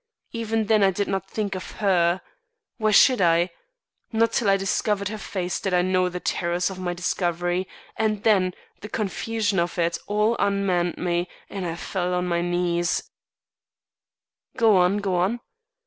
Even then I did not think of her. Why should I? Not till I uncovered the face did I know the terrors of my discovery, and then, the confusion of it all unmanned me and I fell on my knees " "Go on! Go on!"